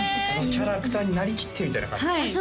キャラクターになりきってるみたいな感じですか？